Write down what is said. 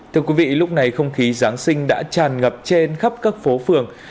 thưa quý vị lúc này không khí giáng sinh đã tràn ngập trên khắp các phố phường